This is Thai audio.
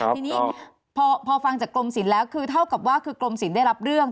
ทีนี้พอฟังจากกรมศิลป์แล้วคือเท่ากับว่าคือกรมศิลปได้รับเรื่อง